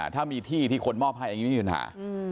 ถ้ามีที่ที่คนมอบให้อย่างนี้ไม่มีปัญหา